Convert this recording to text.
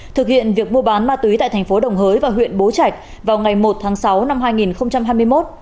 thực hiện việc mua bán ma túy tại thành phố đồng hới và huyện bố trạch vào ngày một tháng sáu năm hai nghìn hai mươi một